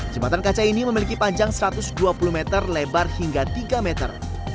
jembatan kaca ini memiliki panjang satu ratus dua puluh meter lebar hingga tiga meter